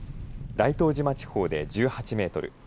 大東島地方で１８メートル